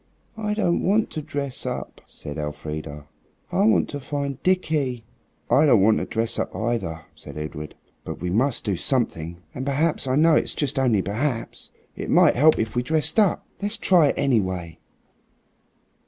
"I don't want to dress up," said Elfrida; "I want to find Dickie." "I don't want to dress up either," said Edred; "but we must do something, and perhaps, I know it's just only perhaps, it might help if we dressed up. Let's try it, anyway."